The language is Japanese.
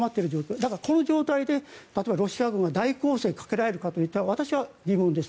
だからこの状態で例えば、ロシア軍が大攻勢をかけられるかと言ったら私は疑問です。